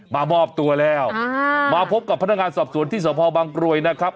มามอบตัวแล้วมาพบกับพนักงานสอบสวนที่สพบังกรวยนะครับ